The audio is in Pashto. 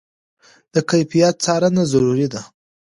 د کیفیت څارنه ضروري ده.